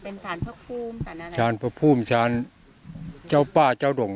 เป็นการท่อพรูมท่านอะไรของพ่อพุ่มสารจ้าวป้าเจ้าหลงนะ